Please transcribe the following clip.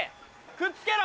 ・くっつけろ！